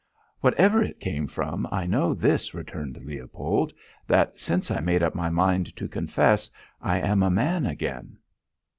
"Whatever it came from, I know this," returned Leopold, "that, since I made up my mind to confess, I am a man again."